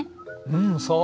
うんそう。